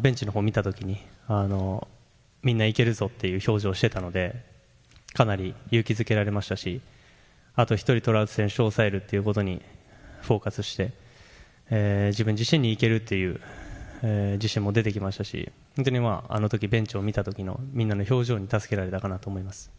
ベンチのほうを見たときにみんな行けるぞっていう表情をしていたのでかなり勇気づけられましたしあと１人、トラウト選手を抑えるということにフォーカスして自分自身に、いけるっていう自信も出てきましたし、本当にあのときベンチを見たときのみんなの表情に助けられたかなと思います。